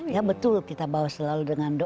ya betul kita bawa selalu dengan doa